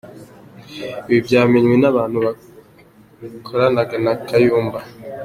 Ibi byamenywe n’abantu bakoranaga na Kayumba.